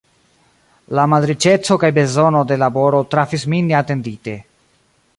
La malriĉeco kaj bezono de laboro trafis min neatendite.